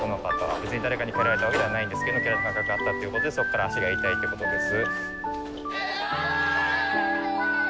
別に誰かに蹴られたわけではないんですけれど蹴られた感覚があったということでそこから足が痛いということです。